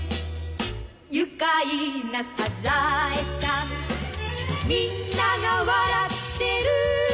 「愉快なサザエさん」「みんなが笑ってる」